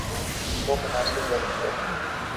تو مناسب وقت پر۔